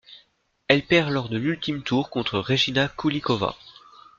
Elle perd lors de l'ultime tour contre Regina Kulikova.